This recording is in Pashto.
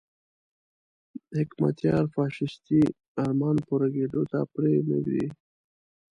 د حکمتیار فاشیستي ارمان پوره کېدو ته پرې نه ږدي.